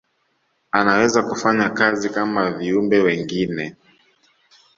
anaweza kufanya kazi kama viumbe wengine